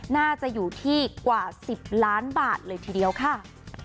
น่าจะอยู่ที่กว่า๑๐ล้านบาทเลยทีเดียวค่ะ